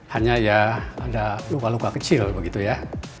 hanya ya ada luka luka kecil begitu ya